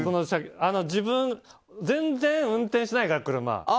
自分、全然運転しないから。